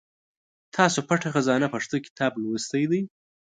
تاسو پټه خزانه پښتو کتاب لوستی دی ؟